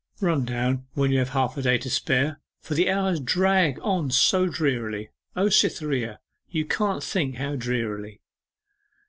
'Run down, when you have half a day to spare, for the hours drag on so drearily. O Cytherea, you can't think how drearily!